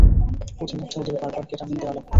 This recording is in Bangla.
পথিমধ্যে ওদের বারবার কেটামিন দেয়া লাগবে।